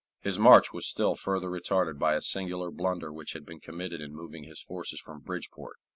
His march was still further retarded by a singular blunder which had been committed in moving his forces from Bridgeport.